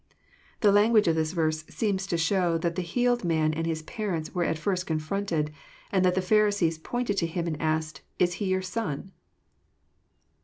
The language of the verse seems to show that the healed man and his parents were at first confVonted, and that the Pharisees pointed to him and asked, Is this your son?